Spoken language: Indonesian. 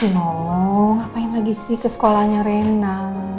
nolong ngapain lagi sih ke sekolahnya rena